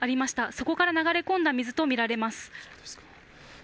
そこから流れ込んだ水とみられます。